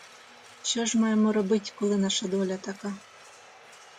Що ж маємо робить, коли наша доля така?